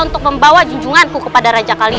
untuk membawa junjunganku kepada raja kali ini